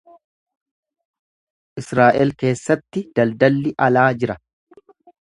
Israa’el keessatti daldalli alaa jira.